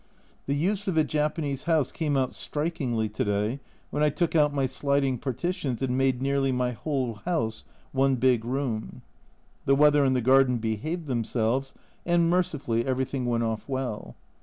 The use of a Japanese house came out strikingly to day when I took out my sliding partitions and made nearly my whole house one big room. The weather and the garden behaved themselves and mercifully everything went off well.